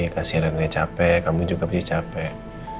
kasih reina capek kamu juga bisa capek